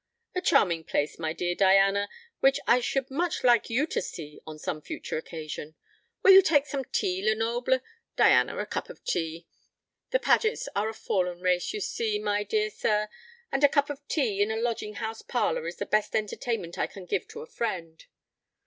A charming place, my dear Diana, which I should much like you to see on some future occasion. Will you take some tea, Lenoble? Diana, a cup of tea. The Pagets are a fallen race, you see, my dear sir, and a cup of tea in a lodging house parlour is the best entertainment I can give to a friend.